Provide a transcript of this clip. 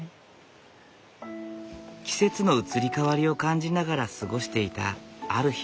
季節の移り変わりを感じながら過ごしていたある日。